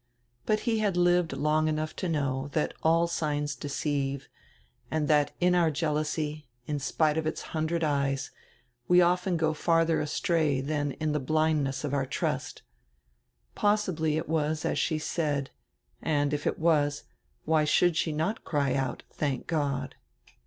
But he had lived long enough to know diat all signs deceive, and diat in our jealousy, in spite of its hundred eyes, we often go tardier astray dian in die blindness of our trust Possibly it was as she said, and, if it was, why should she not cry out: "Thank God!"